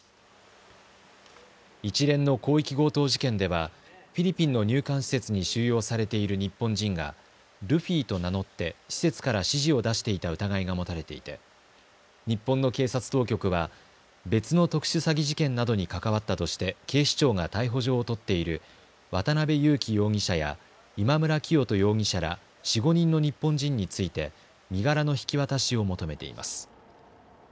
一連の広域強盗事件ではフィリピンの入管施設に収容されている日本人がルフィと名乗って施設から指示を出していた疑いが持たれていて日本の警察当局は別の特殊詐欺事件などに関わったとして警視庁が逮捕状を取っている渡邉優樹容疑者や今村磨人容疑者ら４、５人の日本人について身柄の引き渡しを求めています。